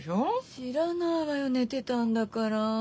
知らないわよ寝てたんだから。